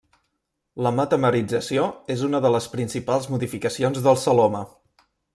La metamerització és una de les principals modificacions del celoma.